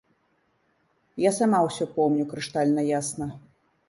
Я сама ўсё помню крыштальна ясна.